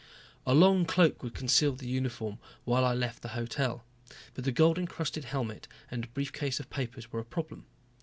A long cloak would conceal the uniform while I left the hotel, but the gold encrusted helmet and a brief case of papers were a problem.